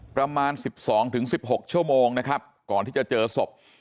ประมาณ๑๒๑๖ชั่วโมงนะครับก่อนที่จะเจอศพ